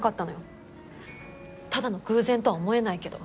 ただの偶然とは思えないけど。